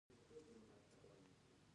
ایا کوم مرکز شته چې زه ورشم؟